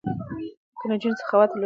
که نجونې سخاوت ولري نو بخل به نه وي.